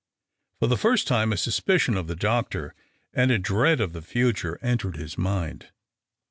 For the first time a suspicion of the doctor and a dread of the future entered his mind.